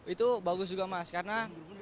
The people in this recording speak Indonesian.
itu bagus juga mas karena